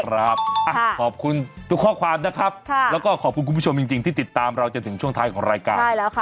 ขอบคุณทุกข้อความนะครับแล้วก็ขอบคุณคุณผู้ชมจริงที่ติดตามเราจนถึงช่วงท้ายของรายการ